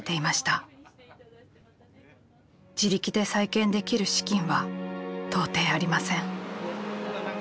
自力で再建できる資金は到底ありません。